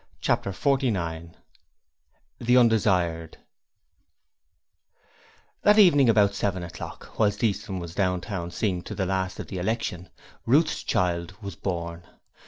Chapter 49 The Undesired That evening about seven o'clock, whilst Easton was down town seeing the last of the election, Ruth's child was born.